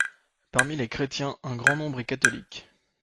Parmi les Chrétiens, un grand nombre est Catholique.